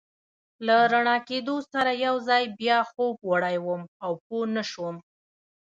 له رڼا کېدو سره یو ځل بیا خوب وړی وم او پوه نه شوم.